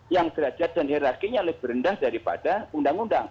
yang kerajaan dan hierarkinya lebih rendah daripada undang undang